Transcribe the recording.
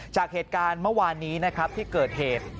จากเหตุการณ์เมื่อวานนี้นะครับที่เกิดเหตุ